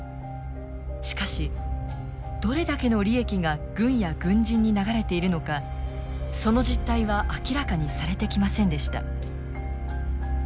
しかしどれだけの利益が軍や軍人に流れているのかその実態は明らかにされてきませんでした。